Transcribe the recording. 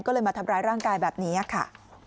ก็เลยมาทำร้ายร่างกายแบบนี้ค่ะ